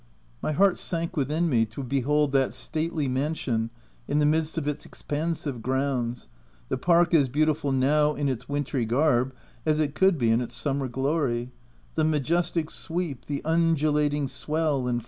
5 * My heart sank within me to behold that stately mansion in the midst of its expansive grounds— the park as beautiful now, in its wintry garb, as it could be in its summer glory ; the majestic sweep, the undulating swell and OF W1LDFELL HALL.